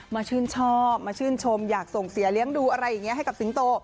ชื่นชอบมาชื่นชมอยากส่งเสียเลี้ยงดูอะไรอย่างนี้ให้กับสิงโต